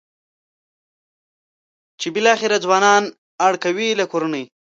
چې بالاخره ځوانان اړ کوي له کورنۍ.